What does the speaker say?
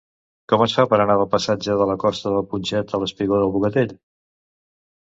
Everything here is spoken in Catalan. Com es fa per anar del passatge de la Costa del Putxet al espigó del Bogatell?